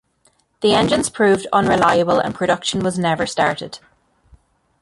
The engines proved unreliable and production was never started.